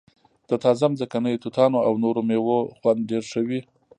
د تازه ځمکنیو توتانو او نورو میوو خوند ډیر ښه وي